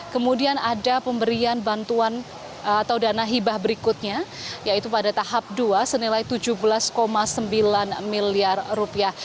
kemudian ada pemberian bantuan atau dana hibah berikutnya yaitu pada tahap dua senilai tujuh belas sembilan miliar rupiah